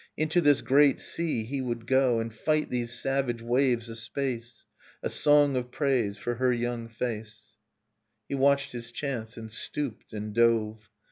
. Into this great sea he would go, And fight these savage waves a space, — A song of praise for her young face. Innocence He watched his chance, and stooped, and dove.